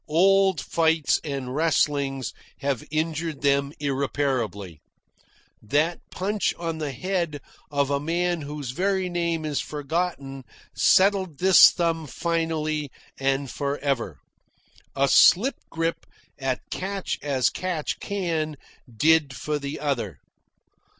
Old fights and wrestlings have injured them irreparably. That punch on the head of a man whose very name is forgotten settled this thumb finally and for ever. A slip grip at catch as catch can did for the other.